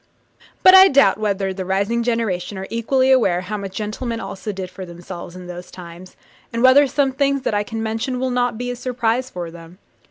But I doubt whether the rising generation are equally aware how much gentlemen also did for themselves in those times, and whether some things that I can mention will not be a surprise to them.